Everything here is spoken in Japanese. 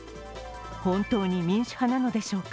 本当に民主派なのでしょうか。